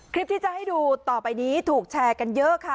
คลิปที่จะให้ดูต่อไปนี้ถูกแชร์กันเยอะค่ะ